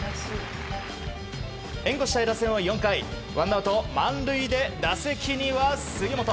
援護したい打線は４回ワンアウト満塁で打席には杉本。